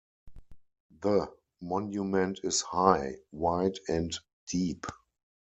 The monument is high, wide, and deep.